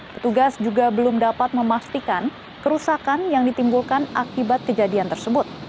petugas juga belum dapat memastikan kerusakan yang ditimbulkan akibat kejadian tersebut